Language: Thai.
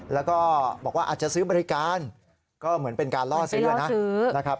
แล้วก็บอกว่าอาจจะซื้อบริการก็เหมือนเป็นการล่อซื้อนะครับ